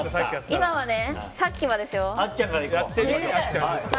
今はね、さっきはですよ。